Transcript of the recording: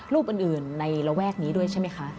รูปอื่นในระแวกนี้ด้วยใช่ไหมคะ